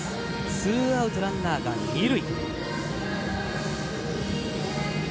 ツーアウトランナーが二塁。